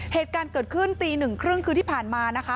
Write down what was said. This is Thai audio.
เหตุการณ์เกิดขึ้นตี๑๓๐คืนที่ผ่านมานะคะ